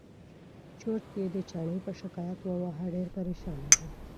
چورت یې د چڼي په شکایت وواهه ډېر پرېشانه و.